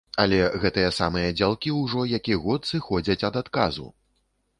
Але гэтыя самыя дзялкі ўжо які год сыходзяць ад адказу!